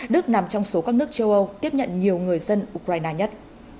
đức nằm trong số các nước châu âu tiếp nhận nhiều người dân ukraine nhất